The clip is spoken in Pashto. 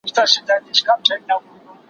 زه هره ورځ کتابتوننۍ سره وخت تېرووم؟!